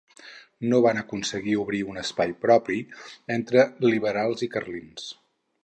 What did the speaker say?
No van aconseguir obrir un espai propi entre liberals i carlins.